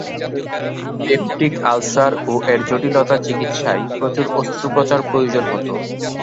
Peptic ulcer ও এর জটিলতা চিকিৎসায় প্রচুর আস্ত্রোপচার প্রয়োজন হত।